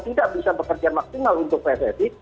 tidak bisa bekerja maksimal untuk pssi